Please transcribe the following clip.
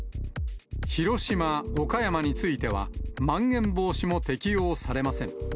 広島、岡山については、まん延防止も適用されません。